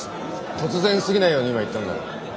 突然すぎないように今言ったんだろう。